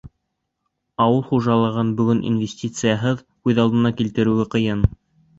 Ауыл хужалығын бөгөн инвестицияһыҙ күҙ алдына килтереүе ҡыйын.